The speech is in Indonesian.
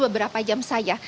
beberapa jam saja